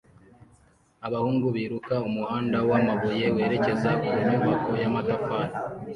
Abahungu biruka umuhanda wamabuye werekeza ku nyubako y'amatafari